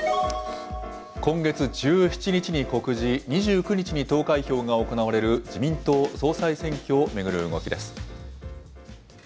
今月１７日に告示、２９日に投開票が行われる、自民党総裁選挙を巡る動きです。